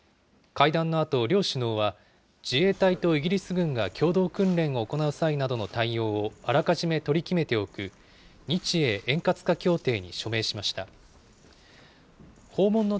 会談のあと、両首脳は、自衛隊とイギリス軍が共同訓練を行う際などの対応をあらかじめ取り決めておく、日英円滑化協定に署名しました。